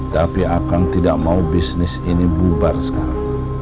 tapi akan tidak mau bisnis ini bubar sekarang